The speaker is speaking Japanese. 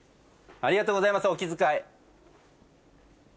ありがとうございますお気遣い。